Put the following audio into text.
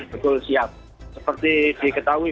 betul siap seperti diketahui